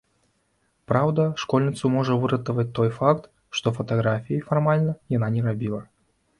Праўда, школьніцу можа выратаваць той факт, што фатаграфіі, фармальна, яна не рабіла.